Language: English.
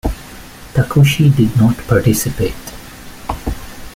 Takushi did not participate.